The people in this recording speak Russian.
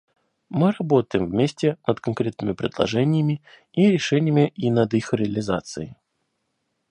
Мы работаем вместе над конкретными предложениями и решениями и над их реализацией.